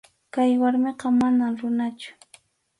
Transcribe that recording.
Kay warmiqa manam runachu.